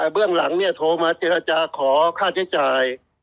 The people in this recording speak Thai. เบื้องหลังโทรมาเจรจาขอค่าใช้จ่าย